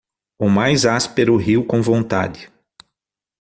O mais áspero riu com vontade.